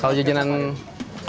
masuk dua udah masuk dua pak